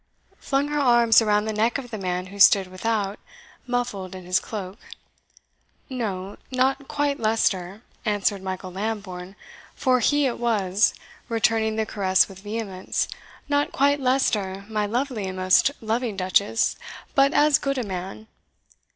flung her arms around the neck of the man who stood without, muffled in his cloak. "No not quite Leicester," answered Michael Lambourne, for he it was, returning the caress with vehemence "not quite Leicester, my lovely and most loving duchess, but as good a man."